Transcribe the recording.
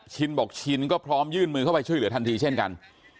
ชินบอกชินก็พร้อมยื่นมือเข้าไปช่วยเหลือทันทีเช่นกัน